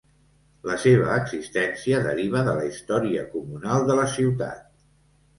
La seva existència deriva de la història comunal de la ciutat.